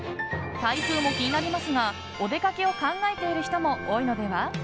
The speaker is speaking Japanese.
台風も気になりますがどこかにお出かけを考えている人も多いのでは？